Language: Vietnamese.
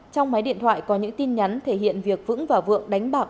trong máy điện thoại có những tin nhắn thể hiện việc vững và vượng đánh bạc